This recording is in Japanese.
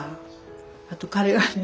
あと彼がね